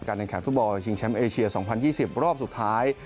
การแดงแขนฟุตบอลชิงแชมป์เอเชียสองพันยี่สิบรอบสุดท้าย